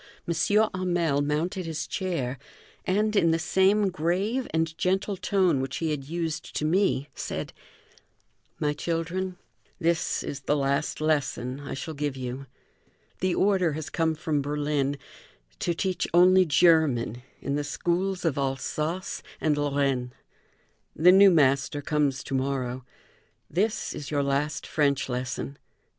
Hamel mounted his chair, and, in the same grave and gentle tone which he had used to me, said: "My children, this is the last lesson I shall give you. The order has come from Berlin to teach only German in the schools of Alsace and Lorraine. The new master comes to morrow. This is your last French lesson.